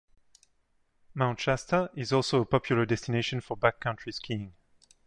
Mount Shasta is also a popular destination for backcountry skiing.